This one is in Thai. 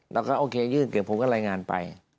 แล้วก็โอเคไลน์งานไป